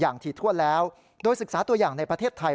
อย่างที่ทั่วแล้วโดยศึกษาตัวอย่างในประเทศไทย